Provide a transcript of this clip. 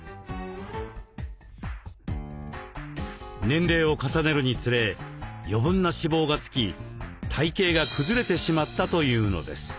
年齢を重ねるにつれ余分な脂肪がつき体形がくずれてしまったというのです。